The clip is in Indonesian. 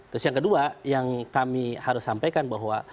terus yang kedua yang kami harus sampaikan bahwa